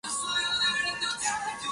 成化七年辛卯科应天府乡试第一名。